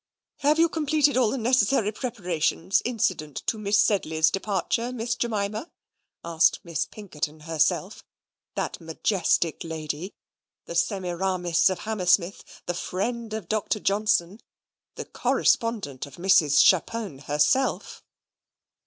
"Have you completed all the necessary preparations incident to Miss Sedley's departure, Miss Jemima?" asked Miss Pinkerton herself, that majestic lady; the Semiramis of Hammersmith, the friend of Doctor Johnson, the correspondent of Mrs. Chapone herself.